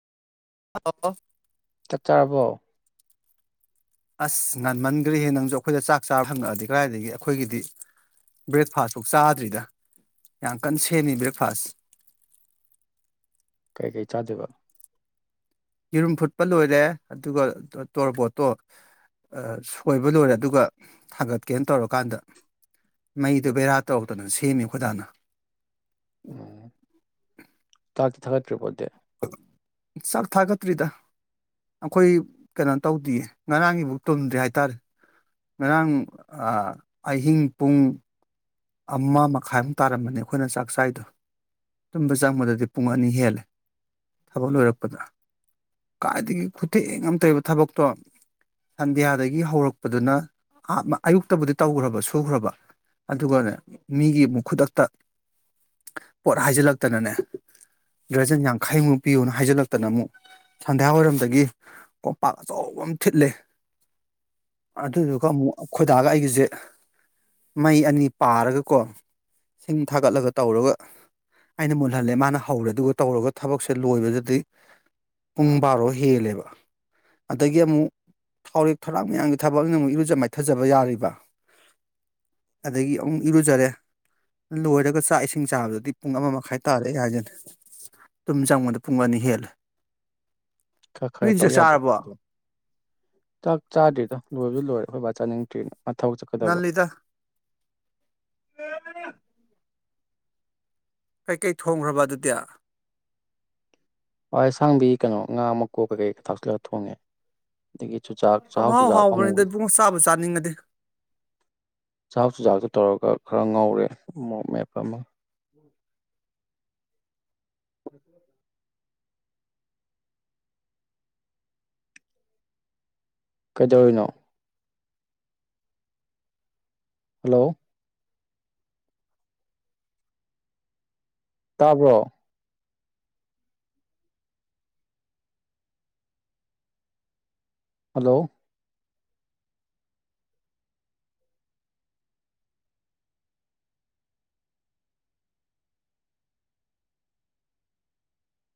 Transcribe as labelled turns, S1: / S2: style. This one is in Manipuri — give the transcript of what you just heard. S1: ꯑꯄ ꯑꯄ
S2: ꯆꯥꯛ ꯆꯥꯔꯕꯣ꯫
S1: ꯑꯁ ꯉꯥꯟꯃꯟꯈ꯭ꯔꯦꯍꯦ ꯅꯪꯁꯨ ꯑꯩꯈꯣꯏꯗ ꯆꯥꯛ ꯆꯥꯔꯕ ꯍꯪꯉꯛꯑꯗꯤ ꯀꯥꯏꯗꯒꯤ ꯑꯩꯈꯣꯏꯒꯤꯗꯤ ꯕ꯭ꯔꯦꯛꯐꯥꯁ ꯐꯧ ꯆꯥꯗ꯭ꯔꯤꯗ ꯌꯥꯝ ꯀꯟꯅ ꯁꯦꯝꯃꯤ ꯕ꯭ꯔꯦꯛꯐꯥꯁ
S2: ꯀꯩꯀꯩ ꯆꯥꯗꯨꯢꯕ
S1: ꯌꯦꯔꯨꯝ ꯐꯨꯠꯄ ꯂꯣꯏꯔꯦ ꯑꯗꯨꯒ ꯇꯣꯔꯕꯣꯠꯇꯣ ꯁꯣꯏꯕ ꯂꯣꯏꯔꯦ ꯑꯗꯨꯒ ꯊꯥꯡꯒꯠꯀꯦꯅ ꯇꯧꯔꯀꯥꯟꯗ ꯃꯩꯗꯨ ꯕꯦꯔꯥ ꯇꯧꯔꯛꯇꯅ ꯁꯦꯝꯃꯤ ꯈꯣꯏꯗꯥꯅ
S2: ꯎꯝ ꯊꯥꯗꯤ ꯊꯥꯒꯠꯇ꯭ꯔꯤ ꯑꯗꯨꯗꯤ
S1: ꯆꯥꯛ ꯊꯥꯒꯠꯇ꯭ꯔꯤꯗ ꯑꯩꯈꯣꯏ ꯀꯩꯅꯣ ꯇꯧꯗꯦꯌꯦ ꯉꯔꯥꯡꯒꯤꯕꯥꯎ ꯇꯨꯝꯗ꯭ꯔꯦ ꯍꯥꯏꯇꯥꯔꯦ ꯉꯔꯥꯡ ꯑꯍꯤꯡ ꯄꯨꯡ ꯑꯃ ꯃꯈꯥꯏꯃꯨꯛ ꯇꯥꯔꯝꯃꯅꯤ ꯑꯩꯈꯣꯏꯅ ꯆꯥꯛ ꯆꯥꯏꯗꯣ ꯇꯨꯝꯕ ꯆꯪꯕꯗꯗꯤ ꯄꯨꯡ ꯑꯅꯤ ꯍꯦꯜꯂꯦ ꯊꯕꯛ ꯂꯣꯏꯔꯛꯄꯗ ꯀꯥꯏꯗꯒꯤ ꯈꯨꯊꯦꯛ ꯑꯝ ꯇꯧꯔꯦꯕ ꯊꯕꯛꯇꯣ ꯁꯟꯗ꯭ꯌꯥꯗꯒꯤ ꯍꯧꯔꯛꯄꯗꯨꯅ ꯑꯌꯨꯛꯇꯕꯨꯗꯤ ꯇꯧꯈ꯭ꯔꯕ ꯁꯨꯈ꯭ꯔꯕ ꯑꯗꯨꯒꯅꯦ ꯃꯤꯒꯤ ꯑꯃꯨꯛ ꯈꯨꯗꯛꯇ ꯄꯣꯠ ꯍꯥꯏꯖꯤꯜꯂꯛꯇꯅꯅꯦ ꯗ꯭ꯔꯖꯟ ꯌꯥꯡꯈꯩꯃꯨꯛ ꯄꯤꯌꯣꯅ ꯍꯥꯏꯖꯤꯜꯂꯛꯇꯅ ꯑꯃꯨꯛ ꯁꯟꯗꯤꯌꯥ ꯋꯥꯏꯔꯝꯗꯒꯤ ꯀꯣꯝꯄꯥꯛ ꯑꯆꯧꯕ ꯑꯃ ꯊꯤꯠꯂꯦ ꯑꯗꯨꯗꯨꯒ ꯑꯃꯨꯛ ꯈꯣꯏꯗꯥꯒ ꯑꯩꯒꯁꯦ ꯃꯩ ꯑꯅꯤ ꯄꯥꯔꯒꯀꯣ ꯁꯤꯡ ꯊꯥꯒꯠꯂꯒ ꯇꯧꯔꯒ ꯑꯩꯅ ꯃꯨꯜꯍꯜꯂꯦ ꯃꯥꯅ ꯍꯧꯔꯦ ꯑꯗꯨꯒ ꯇꯧꯔꯒ ꯊꯕꯛꯁꯦ ꯂꯣꯏꯕꯗꯗꯤ ꯄꯨꯡ ꯕꯥꯔꯣ ꯍꯦꯜꯂꯦꯕ ꯑꯗꯒꯤ ꯑꯃꯨꯛ ꯍꯧꯔꯦꯛ ꯊꯧꯔꯥꯡ ꯃꯌꯥꯝꯒꯤ ꯊꯕꯛꯅꯤ ꯑꯃꯨꯛ ꯏꯔꯨꯖ ꯃꯥꯏꯊꯖꯕ ꯌꯥꯔꯤꯕ ꯑꯗꯒꯤ ꯑꯃꯨꯛ ꯏꯔꯨꯖꯔꯦ ꯂꯣꯏꯔꯒ ꯆꯥꯛ ꯏꯁꯤꯡ ꯆꯥꯕꯗꯗꯤ ꯄꯨꯡ ꯑꯃ ꯃꯈꯥꯏ ꯇꯥꯔꯦ ꯍꯥꯏꯁꯤꯅꯤ ꯇꯨꯝ ꯆꯪꯕꯗ ꯄꯨꯡ ꯑꯅꯤ ꯍꯦꯜꯂꯦ
S2: ꯈꯔ ꯈꯔ
S1: ꯅꯣꯏꯗꯤ
S2: ꯇꯧ
S1: ꯆꯥꯛ
S2: ꯌꯥꯗꯕ
S1: ꯆꯥꯔꯕꯣ
S2: ꯑꯗꯣ ꯆꯥꯛ ꯆꯥꯗ꯭ꯔꯤꯗ ꯂꯣꯏꯕꯨꯗꯤ ꯂꯣꯏꯔꯦ ꯑꯩꯈꯣꯏ ꯕꯥ ꯆꯥꯅꯤꯡꯗ꯭ꯔꯤꯅ ꯃꯥ ꯊꯕꯛ ꯆꯠꯀꯗꯕ
S1: ꯉꯜꯂꯤꯗ ꯀꯩꯀꯩ ꯊꯣꯡꯈ꯭ꯔꯕ ꯑꯗꯨꯗꯤ
S2: ꯍꯋꯥꯢꯁꯥꯡꯕꯤ ꯀꯩꯅꯣ ꯉꯥ ꯃꯀꯣꯛ ꯀꯩꯀꯩ ꯊꯥꯛꯁꯤꯜꯂꯒ ꯊꯣꯡꯉꯦ ꯑꯗꯒꯤ ꯆꯨꯖꯥꯛ ꯆꯥꯛꯍꯥꯎ
S1: ꯄꯪꯍꯥꯎ
S2: ꯆꯨꯖꯥꯛ
S1: ꯍꯥꯎꯕꯅꯤꯗ
S2: ꯑꯃꯨꯕꯗꯣ
S1: ꯏꯕꯨꯡꯉꯣ ꯆꯥꯕꯨ ꯆꯥꯅꯤꯡꯉꯗꯤ
S2: ꯆꯥꯛꯍꯧ ꯆꯨꯖꯥꯛꯇꯣ ꯇꯧꯔꯒ ꯈꯔ ꯉꯧꯔꯦ ꯃꯣꯔꯣꯛ ꯃꯦꯞꯄ ꯑꯃ ꯍ [inaudible] ꯀꯩꯗꯧꯔꯤꯅꯣ ꯍꯜꯂꯣ ꯇꯥꯕꯔꯣ ꯍꯜꯂꯣ